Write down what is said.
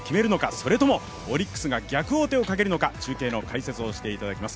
それともオリックスが逆王手をかけるのか、中継の解説をしていただきます